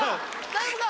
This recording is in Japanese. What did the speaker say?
大丈夫か？